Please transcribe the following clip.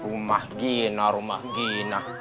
rumah gina rumah gina